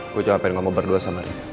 gue cuma pengen ngomong berdua sama ria